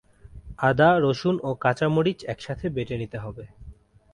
আদা, রসুন ও কাঁচা মরিচ একসাথে বেটে নিতে হবে।